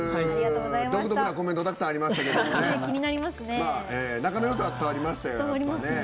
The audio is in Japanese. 独特なコメントたくさんありましたけどね仲のよさは伝わりましたよ。